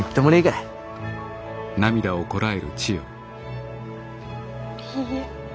いいえ。